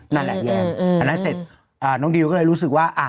นั่นแหละแยมอืมอืมอืมอันนั้นเสร็จอ่าน้องดิวก็เลยรู้สึกว่าอ่า